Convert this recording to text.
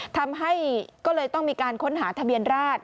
ทำให้ก็เลยต้องมีการค้นหาทะเบียนราช